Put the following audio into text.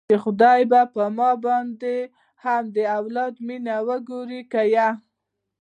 چې خداى به په ما باندې هم د اولاد مينه وګوري که يه.